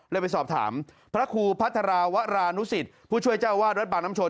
ไปสอบถามพระครูพัทราวรานุสิตผู้ช่วยเจ้าวาดวัดบางน้ำชน